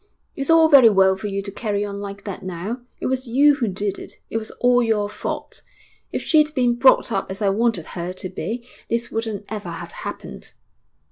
'It's all very well for you to carry on like that now. It was you who did it; it was all your fault. If she'd been brought up as I wanted her to be, this wouldn't ever have happened.'